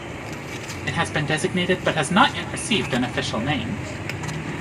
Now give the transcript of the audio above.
It has been designated but has not yet received an official name.